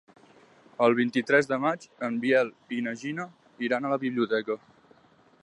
El vint-i-tres de maig en Biel i na Gina iran a la biblioteca.